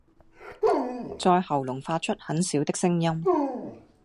在喉嚨發出很小的聲音